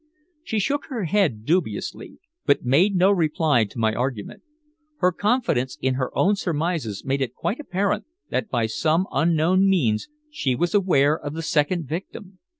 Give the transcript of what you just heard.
She shook her head dubiously, but made no reply to my argument. Her confidence in her own surmises made it quite apparent that by some unknown means she was aware of the second victim.